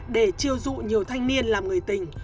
để chiêu dụ nhiều thanh niên làm người tình